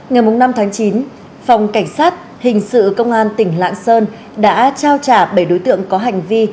ngày năm tháng chín phòng cảnh sát hình sự công an tỉnh lạng sơn đã trao trả bảy đối tượng có hành vi